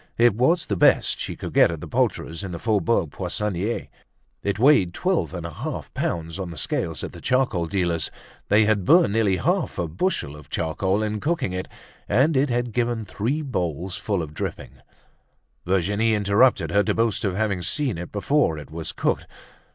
It was the best she could get at the poulterer's in the Faubourg Poissonniers; it weighed twelve and a half pounds on the scales at the charcoal dealer's; they had burnt nearly half a bushel of charcoal in cooking it, and it had given three bowls full of drippings. Virginie interrupted her to boast of having seen it before it was cooked.